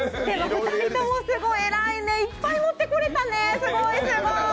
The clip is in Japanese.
２人ともすごいね偉いね、いっぱい持ってこれたね。